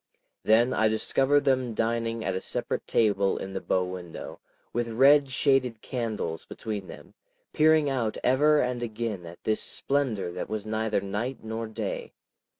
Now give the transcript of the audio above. Then I discovered them dining at a separate table in the bow window, with red shaded candles between them, peering out ever and again at this splendor that was neither night nor day.